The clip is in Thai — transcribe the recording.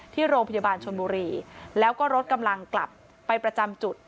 ที่โรงพยาบาลชนบุรีแล้วก็รถกำลังกลับไปประจำจุด